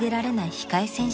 控え選手に］